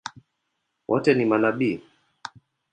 Wote ni manabii?